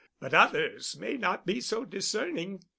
But others may not be so discerning.